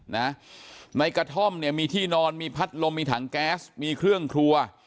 นะในกระท่อมเนี่ยมีที่นอนมีพัดลมมีถังแก๊สมีเครื่องครัว